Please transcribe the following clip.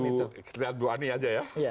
kalau saya lihat ibu ani saja ya